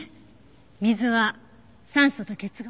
水は酸素と結合。